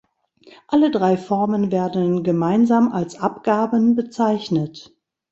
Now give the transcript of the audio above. Alle drei Formen werden gemeinsam als Abgaben bezeichnet.